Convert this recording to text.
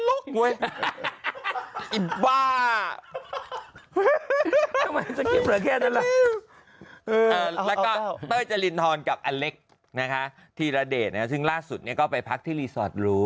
ไอ้บ้าแล้วก็เต้ยเจริญพรกับอเล็กนะคะทีละเดทซึ่งล่าสุดก็ไปพักที่รีสอร์ทรู